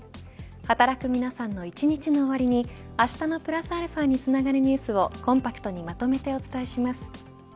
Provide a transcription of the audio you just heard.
働く皆さんの１日の終わりにあしたのプラスαにつながるニュースをコンパクトにまとめてお伝えします。